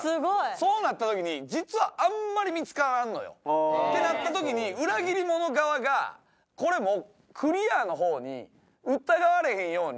そうなった時に実はあんまり見つからんのよ。ってなった時に裏切り者側がこれもうクリアのほうに疑われへんように。